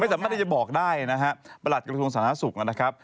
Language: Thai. ไม่สามารถจะบอกได้นะครับประหลัดกระทุงสาธารณสุขนะครับ